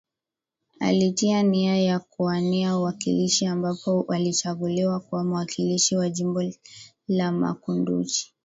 Alitia nia ya kuwania uwakilishi ambapo alichaguliwa kuwa mwakilishi wa jimbo la Makunduchi